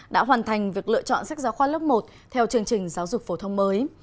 đã hoàn thành việc lựa chọn sách giáo khoa lớp một theo chương trình giáo dục phổ thông mới